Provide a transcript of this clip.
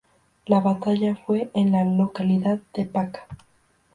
La batalla fue en la localidad de Paca.